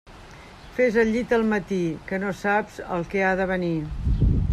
Fes el llit al matí, que no saps el que ha de venir.